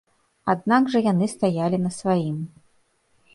Аднак жа яны стаялі на сваім.